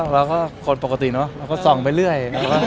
เราก็คนปกติเนอะเราก็ส่องไปเรื่อย